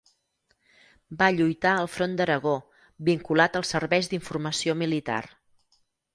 Va lluitar al front d'Aragó, vinculat als serveis d'informació militar.